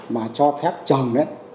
mà cho phép trồng